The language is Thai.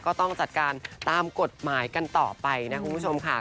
ก็ต้องจัดการตามกฎหมายกันต่อไปนะคุณผู้ชมค่ะ